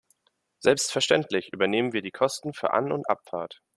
Selbstverständlich übernehmen wir die Kosten für An- und Abfahrt.